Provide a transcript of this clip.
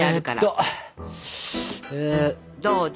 どうぞ。